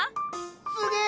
・すげえ！